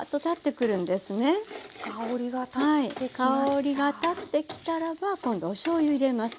香りが立ってきたらば今度おしょうゆ入れます。